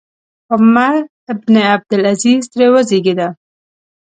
عمر بن عبدالعزیز ترې وزېږېد.